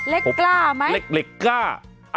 เล็กกล้าไหมเล็กเล็กก้า